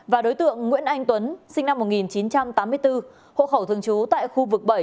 và đối tượng nguyễn anh tuấn sinh năm một nghìn chín trăm tám mươi bốn hộ khẩu thường trú tại khu vực bảy